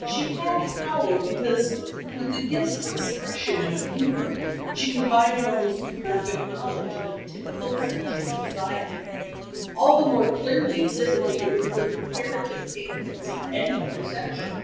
She had the power, because, with the gifts of expression and of humour, she combined an almost perfect knowledge of a typical section of society, all the more clearly exhibited because of her comparative ignorance of any other section.